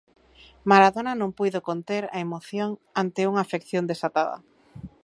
Maradona non puido conter a emoción ante unha afección desatada.